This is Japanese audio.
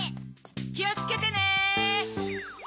きをつけてね！